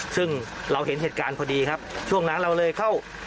ซึ่งเราเห็นเหตุการณ์พอดีครับช่วงนั้นเราเลยเข้า